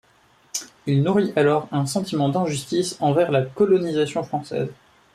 Il nourrit alors un sentiment d'injustice envers la colonisation française.